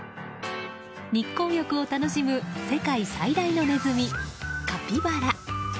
日光浴を楽しむ世界最大のネズミ、カピバラ。